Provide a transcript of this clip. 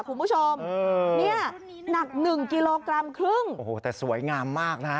คุณผู้ชมเนี่ยหนักหนึ่งกิโลกรัมครึ่งโอ้โหแต่สวยงามมากนะฮะ